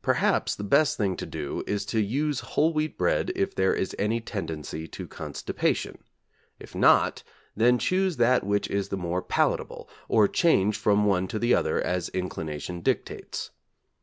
Perhaps the best thing to do is to use whole wheat bread if there is any tendency to constipation. If not, then choose that which is the more palatable, or change from one to the other as inclination dictates.